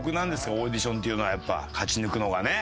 オーディションっていうのはやっぱ勝ち抜くのがね。